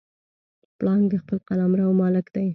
پړانګ د خپل قلمرو مالک دی.